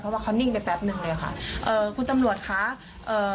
เพราะว่าเขานิ่งไปแป๊บหนึ่งเลยค่ะเอ่อคุณตำรวจคะเอ่อ